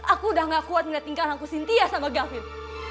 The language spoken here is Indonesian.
aku udah gak kuat melihat tingkah rangkus cynthia sama gavin